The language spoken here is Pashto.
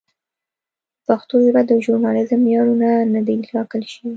په پښتو ژبه د ژورنالېزم معیارونه نه دي ټاکل شوي.